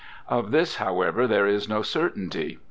Of this, however, there is no certainty.